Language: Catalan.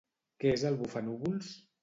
Què és el Bufanúvols?